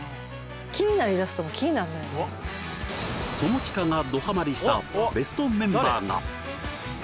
友近がどハマりしたベストメンバーが！